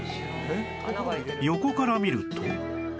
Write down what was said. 横から見ると